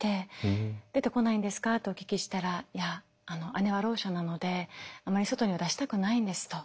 「出てこないんですか？」とお聞きしたら「姉はろう者なのであまり外には出したくないんです」と。